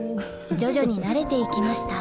徐々になれて行きました